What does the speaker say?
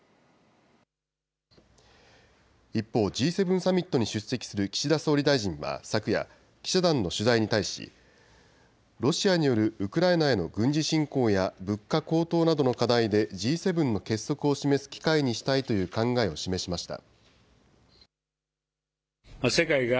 一方、Ｇ７サミットに出席する岸田総理大臣は昨夜、記者団の取材に対し、ロシアによるウクライナへの軍事侵攻や物価高騰などの課題でＧ７の結束を示す機会にしたいという考えを示しました。